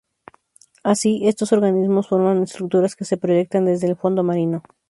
Así, estos organismos forman estructuras que se proyectan desde el fondo marino.